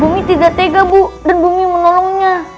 bumi tidak tega bu dan bumi menolongnya